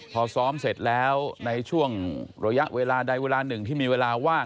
พอซ้อมเสร็จแล้วในช่วงระยะเวลาใดเวลาหนึ่งที่มีเวลาว่าง